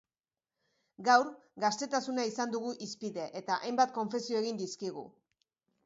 Gaur, gaztetasuna izan dugu hizpide, eta hainbat konfesio egin dizkigu.